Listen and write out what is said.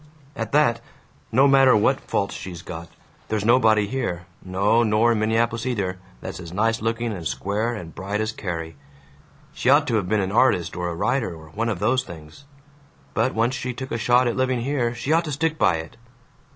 At that, no matter what faults she's got, there's nobody here, no, nor in Minn'aplus either, that's as nice looking and square and bright as Carrie. She ought to of been an artist or a writer or one of those things. But once she took a shot at living here, she ought to stick by it.